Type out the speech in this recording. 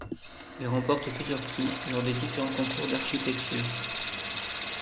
Il remporte plusieurs prix lors de différents concours d'architecture.